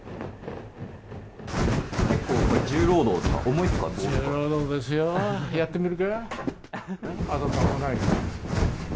結構、重労働ですか。